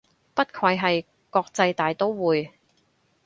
不愧係國際大刀會